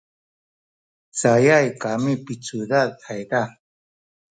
cayay kami picudad ayza